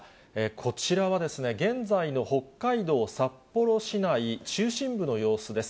こちらはですね、現在の北海道札幌市内、中心部の様子です。